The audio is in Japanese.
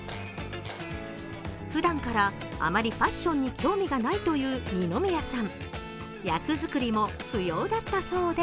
ふだんからあまりファッションに興味がないという二宮さん。